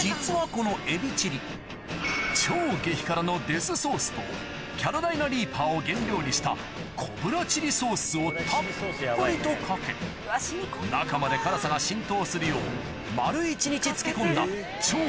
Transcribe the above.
実はこのエビチリ超激辛のデスソースとキャロライナ・リーパーを原料にしたコブラチリソースをたっぷりとかけ中まで辛さが浸透するよう丸一日漬け込んだ超爆